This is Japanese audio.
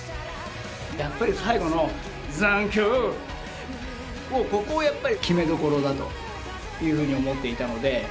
やっぱり最後の「残響」をここをやっぱり決めどころだという風に思っていたので。